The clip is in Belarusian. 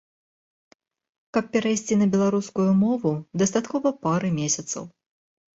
Каб перайсці на беларускую мову дастаткова пары месяцаў.